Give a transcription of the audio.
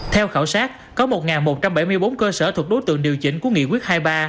theo khảo sát có một một trăm bảy mươi bốn cơ sở thuộc đối tượng điều chỉnh của nghị quyết hai mươi ba